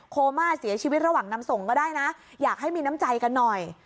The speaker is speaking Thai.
โคม่าเสียชีวิตระหว่างนำส่งก็ได้นะอยากให้มีน้ำใจกันหน่อย